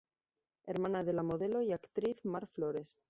Hermana de la modelo y actriz Mar Flores.